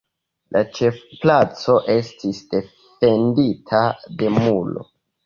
La ĉefplaco estis defendita de muro.